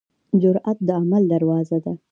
جرئت د عمل دروازه ده.